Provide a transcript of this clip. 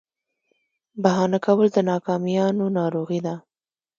بهانه کول د ناکامیانو ناروغي ده.